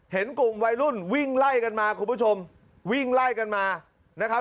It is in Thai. เห็นกลุ่มวัยรุ่นวิ่งไล่กันมาคุณผู้ชมวิ่งไล่กันมานะครับ